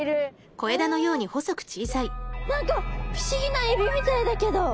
え何か不思議なエビみたいだけど。